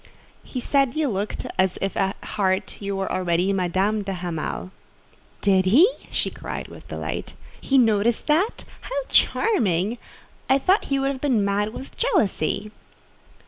"He said you looked as if at heart you were already Madame de Hamal." "Did he?" she cried with delight. "He noticed that? How charming! I thought he would be mad with jealousy.